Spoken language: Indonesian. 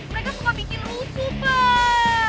mereka suka bikin utuh pak